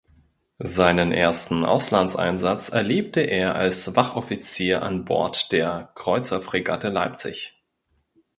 Seinen ersten Auslandseinsatz erlebte er als Wachoffizier an Bord der Kreuzerfregatte "Leipzig".